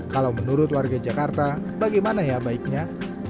kalau menurut warga jakarta bagaimana ya baiknya